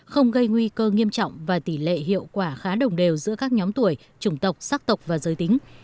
không gây nguy cơ nghiêm trọng và tỷ lệ hiệu quả khá đồng đều giữa các nhóm tuổi chủng tộc sắc tộc và giới tính